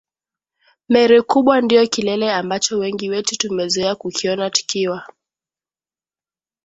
Meru kubwa ndio kilele ambacho wengi wetu tumezoea kukiona tukiwa